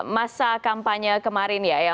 masa kampanye kemarin ya